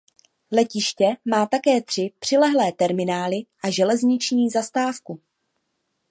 Letiště má také tři přilehlé terminály a železniční zastávku.